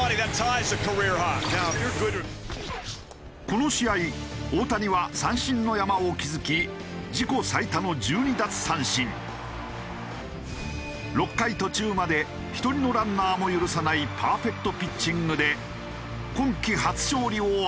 この試合大谷は三振の山を築き６回途中まで１人のランナーも許さないパーフェクトピッチングで今季初勝利を挙げた。